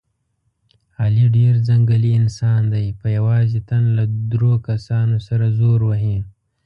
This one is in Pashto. علي ډېر ځنګلي انسان دی، په یوازې تن له دور کسانو سره زور وهي.